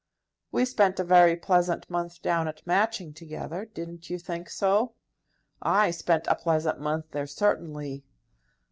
"We spent a very pleasant month down at Matching together; didn't you think so?" "I spent a pleasant month there certainly."